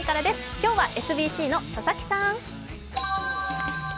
今日はＳＢＣの佐々木さん！